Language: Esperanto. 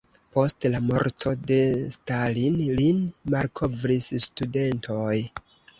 Post la morto de Stalin lin malkovris studentoj.